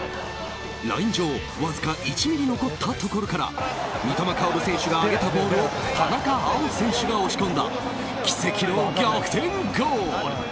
ライン上わずか１ｍｍ残ったところから三笘薫選手が上げたボールを田中碧選手が押し込んだ奇跡の逆転ゴール。